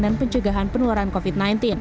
dan pencegahan penularan covid sembilan belas